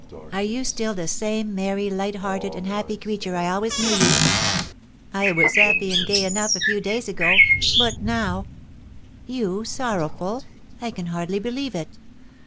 "Are you still the same merry, light hearted, and happy creature I always knew you?" "I was happy and gay enough a few days ago; but now " "You sorrowful? I can hardly believe it."